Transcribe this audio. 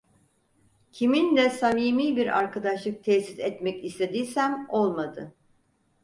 Kiminle samimi bir arkadaşlık tesis etmek istediysem olmadı…